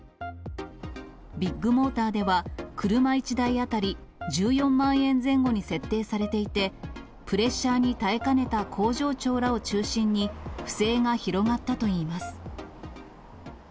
ビッグモーターでは、車１台当たり１４万円前後に設定されていて、プレッシャーに耐えかねた工場長らを中心に、不正が広がったといいます。